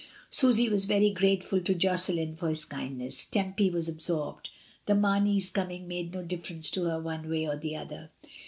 Susy .was very grateful to Josselin for his kindness. Tempy was absorbed, the Mameys com ing made no difference to her one way or the other.